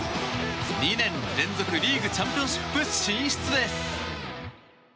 ２年連続リーグチャンピオンシップ進出です。